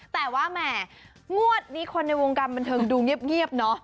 แต่ว่าแหม่งวดนี้คนในวงการบันเทิงดูเงียบเนอะ